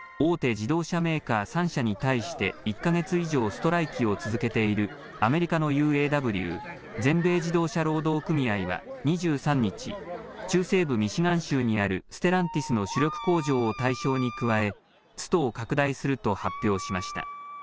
自動車メーカー３社に対して１か月以上ストライキを続けているアメリカのＵＡＷ・全米自動車労働組合は２３日、中西部ミシガン州にあるステランティスの主力工場を対象に加え、ストを拡大すると発表しました。